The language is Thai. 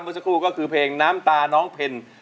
เมื่อสักครู่ก็คือเพลงน้ำตาน้องเพล